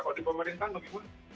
kalau di pemerintahan begitu